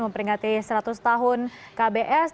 memperingati seratus tahun kbs